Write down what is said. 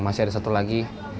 masih ada satu lagi